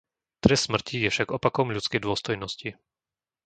Trest smrti je však opakom ľudskej dôstojnosti.